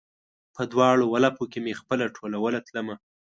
په دواړ ولپو کې مې خپله ټولوله تلمه